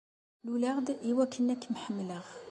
Luleɣ-d i wakken ad kem-ḥemmleɣ.